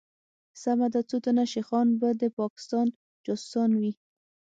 سمه ده څوتنه شيخان به دپاکستان جاسوسان وي